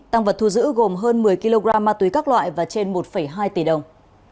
tăng vật thu giữ gồm hơn một mươi kg ma túy các loại và trên một hai tỷ đồng